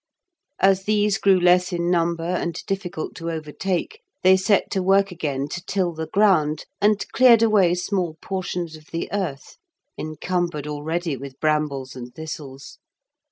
As these grew less in number and difficult to overtake, they set to work again to till the ground, and cleared away small portions of the earth, encumbered already with brambles and thistles.